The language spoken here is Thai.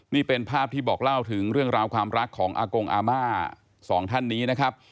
นี่เป็นภาพที่บอกเล่าถึงเรื่องราวความรักของอากงอาม่าสองท่านนี้นะครับ